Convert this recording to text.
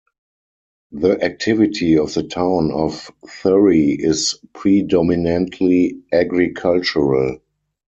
The activity of the town of Thury is predominantly agricultural.